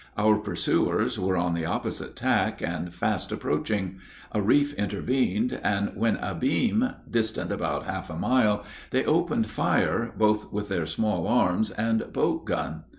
Our pursuers were on the opposite tack and fast approaching; a reef intervened, and when abeam, distant about half a mile, they opened fire both with their small arms and boat gun.